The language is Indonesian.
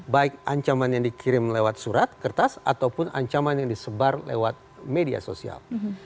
baik ancaman yang dikirim lewat surat kertas ataupun ancaman yang disebar lewat media sosial